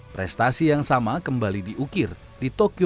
prestasi yang sama kembali diukir di tokyo dua ribu dua puluh